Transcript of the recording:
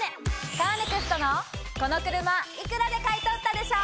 カーネクストのこの車幾らで買い取ったでしょ！